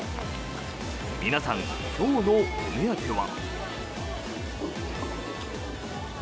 皆さん、今日のお目当ては。